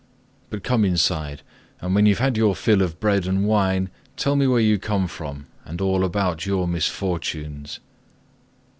But come inside, and when you have had your fill of bread and wine, tell me where you come from, and all about your misfortunes."